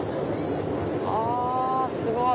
あすごい！